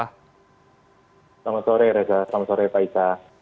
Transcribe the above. selamat sore reza selamat sore pak ika